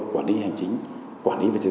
quản lý hành chính quản lý vị trí